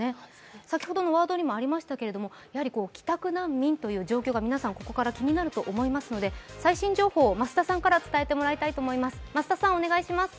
先ほどのワードにもありましたけれども帰宅難民という状況が皆さん、ここから気になると思いますので最新情報を増田さんから伝えてもらいたいと思います。